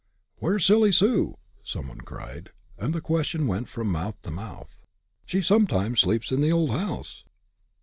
"Where is Silly Sue?" some one cried, and the question went from mouth to mouth. "She sometimes sleeps in the old house."